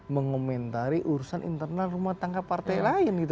mengomentari urusan internal rumah tangga partai lain gitu